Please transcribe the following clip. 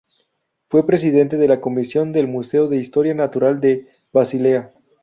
Fue presidente de la comisión del Museo de Historia Natural de Basilea.